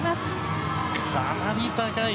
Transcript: かなり高い！